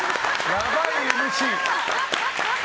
やばいＭＣ。